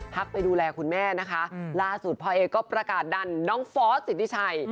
พักไปดูแลคุณแม่นะคะล่าสุดพ่อเอ๊กซ์ก็ประกาศดันน้องฟอสศิษย์ดิฉัย